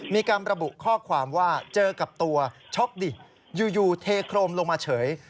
มีการระบุข้อความว่าเจอกับตัวช็อกดิอยู่เทโครมลงมาเฉย